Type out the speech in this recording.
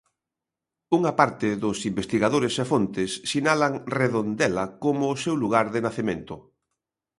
Unha parte dos investigadores e fontes sinalan Redondela como o seu lugar de nacemento.